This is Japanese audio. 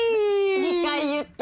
２回言った。